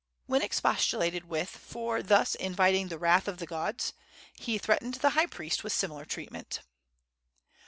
When expostulated with for thus inviting the wrath of the gods, he threatened the high priest with similar treatment.